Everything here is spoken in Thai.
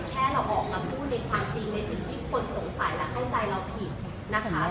แค่เราออกมาพูดในความจริงในสิ่งที่คนสงสัยและเข้าใจเราผิดนะคะ